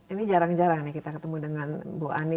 ini jarang jarang ya kita ketemu dengan bu ani